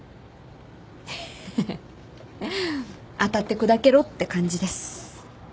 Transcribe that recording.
ハハハ当たって砕けろって感じです。